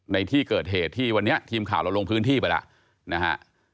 ในที่เกิดเหตุที่วันนี้ทีมข่าวเราลงพื้นที่ไปแล้วนะฮะ